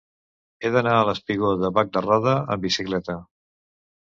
He d'anar al espigó de Bac de Roda amb bicicleta.